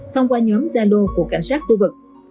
thông qua nhóm gia lô của cảnh sát tuyên ngon